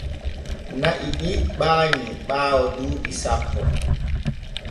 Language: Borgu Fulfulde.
Na’i ɗi ɓaanyi ɓaawo duuɓi sappo.